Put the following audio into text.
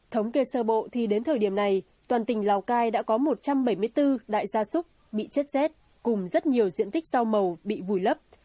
thống kê sơ bộ thì đến thời điểm này toàn tỉnh lào cai đã có một trăm bảy mươi bốn đại gia súc bị chết rét cùng rất nhiều diện tích rau màu bị vùi lấp